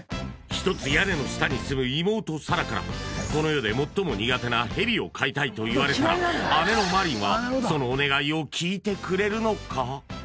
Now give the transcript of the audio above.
一つ屋根の下に住む妹紗来からこの世で最も苦手なヘビを飼いたいと言われたら姉の真凜はそのお願いを聞いてくれるのか！？